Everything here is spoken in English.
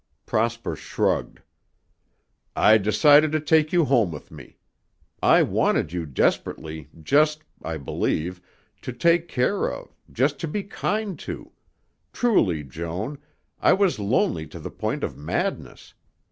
Prosper shrugged. "I decided to take you home with me. I wanted you desperately, just, I believe, to take care of, just to be kind to truly, Joan, I was lonely to the point of madness.